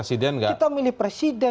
ini kita memilih presiden